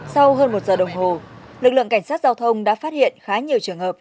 sau hơn một giờ đồng hồ lực lượng cảnh sát giao thông đã phát hiện khá nhiều trường hợp